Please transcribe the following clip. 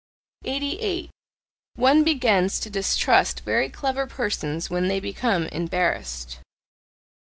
88. One begins to distrust very clever persons when they become embarrassed.